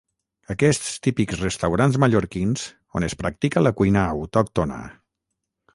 aquests típics restaurants mallorquins on es practica la cuina autòctona